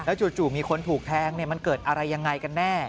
แล้วโจรมีคนถูกแทงเนี่ยมันเกิดอะไรยังไงกันน่ะ